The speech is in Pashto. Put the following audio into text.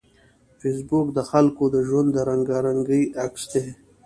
فېسبوک د خلکو د ژوند د رنګارنګۍ عکس دی